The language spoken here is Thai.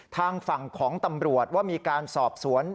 ทางฝั่งของตำรวจว่ามีการสอบสวน